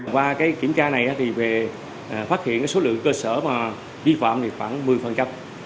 qua kiểm tra này phát hiện số lượng cơ sở vi phạm khoảng một mươi